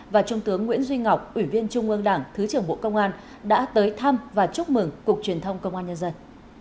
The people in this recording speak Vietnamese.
và trung tướng nguyễn duy ngọc ủy viên trung ương đảng thứ trưởng bộ công an đã tới thăm và chúc mừng cục truyền thông công an nhân dân